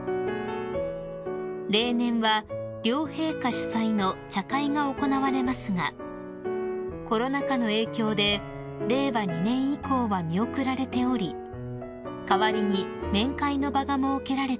［例年は両陛下主催の茶会が行われますがコロナ禍の影響で令和２年以降は見送られており代わりに面会の場が設けられています］